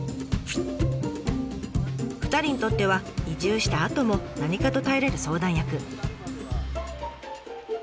２人にとっては移住したあとも何かと頼れる相談役。